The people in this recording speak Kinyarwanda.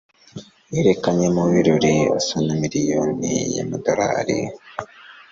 yerekanye mu birori asa na miliyoni y'amadolari